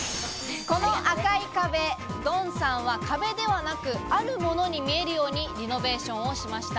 この赤い壁、ドンさんは壁ではなく、あるものに見えるようにリノベーションしました。